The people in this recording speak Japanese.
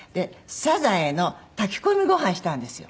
サザエの炊き込みご飯したんですよ。